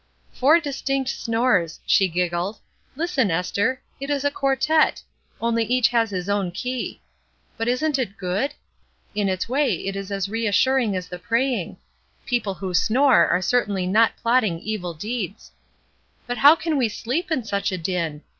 ''Four distinct snores!" she giggled. "Lis ten, Esther! It is a quartette; only each has his own key. But isn't it good? In its way it is as reassuring as the praying; people who snore are certainly not plotting evil deeds. But how can we sleep in such a din